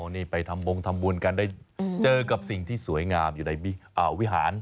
นี่ไปทำบงทำบุญกันได้เจอกับสิ่งที่สวยงามอยู่ในวิหาร